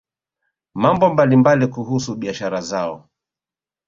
mambo mbalimbali kuhusu biashara zao